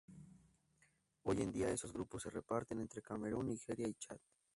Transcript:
Hoy en día esos grupos se reparten entre Camerún, Nigeria y Chad.